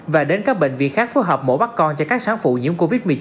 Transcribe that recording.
và đến các bệnh viện khác phối hợp mổ bắt con cho các sáng phụ nhiễm covid một mươi chín